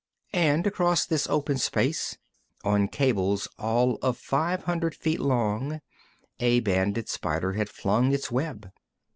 And across this open space, on cables all of five hundred feet long, a banded spider had flung its web.